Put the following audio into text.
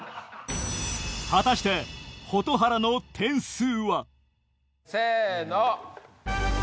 果たして蛍原の点数は？せの！